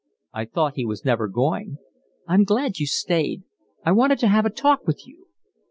"I thought he was never going." "I'm glad you stayed. I wanted to have a talk with you."